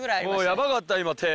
やばかった今手。